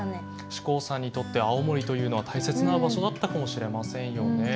志功さんにとって青森というのは大切な場所だったかもしれませんよね。